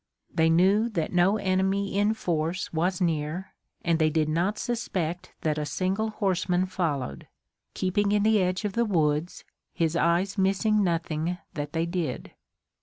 They knew that no enemy in force was near, and they did not suspect that a single horseman followed, keeping in the edge of the woods, his eyes missing nothing that they did.